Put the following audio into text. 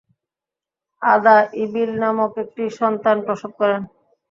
আদা ইবিল নামক একটি সন্তান প্রসব করেন।